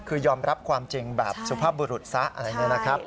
คือยอมรับความจริงแบบสุภาพบุรุษซะอะไรเนี่ยนะครับ